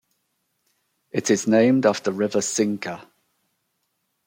It is named after river Cinca.